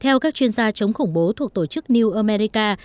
theo các chuyên gia chống khủng bố thuộc tổ chức new america